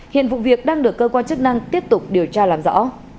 hiện vụ việc đang được cơ quan chức năng tiếp tục điều tra làm rõ